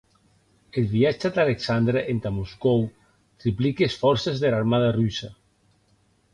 Eth viatge d’Alexandre entà Moscòu triplique es fòrces dera armada russa.